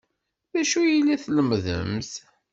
D acu ay la tlemmdemt?